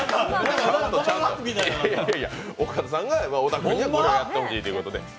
いやいや、岡田さんが小田君にはこれをやってほしいということで。